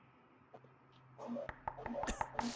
盖贡人口变化图示